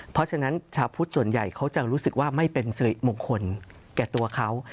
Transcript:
เพราะฉะนั้นชาวพุทธส่วนใหญ่เขาจะรู้สึกว่าไม่เป็นสิริมงคลแก่ตัวเขา